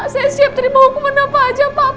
saya siap terima hukuman apa aja pak